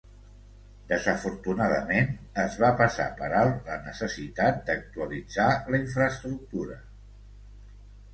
Desafortunadament, es va passar per alt la necessitat d'actualitzar la infraestructura.